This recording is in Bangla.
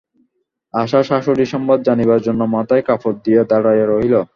আশা শাশুড়ির সংবাদ জানিবার জন্য মাথায় কাপড় দিয়া দাঁড়াইয়া রহিল।